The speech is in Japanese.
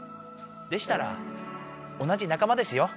でしたら同じなかまですよ。